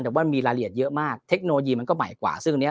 แต่ว่ามีรายละเอียดเยอะมากเทคโนโลยีมันก็ใหม่กว่าซึ่งตรงนี้